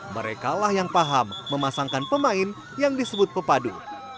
mereka lah yang paham memasangkan pemain yang disebut pepadu